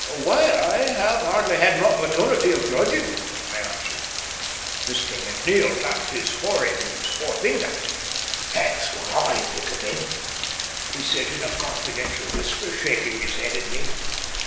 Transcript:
"Why, I have hardly had an opportunity of judging," I answered. Mr. McNeil tapped his forehead with his forefinger. "That's what I think of him," he said in a confidential whisper, shaking his head at me.